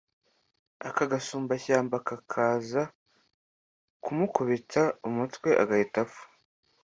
aka gasumbashyamba kakaza kumukubita umutwe agahita apfa